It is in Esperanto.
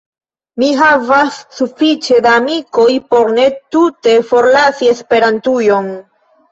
Mi havas sufiĉe da amikoj por ne tute forlasi Esperantujon.